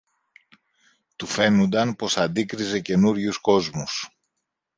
Του φαίνουνταν πως αντίκριζε καινούριους κόσμους.